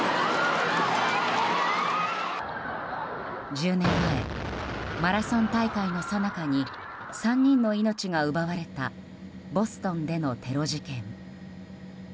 １０年前マラソン大会のさなかに３人の命が奪われたボストンでのテロ事件。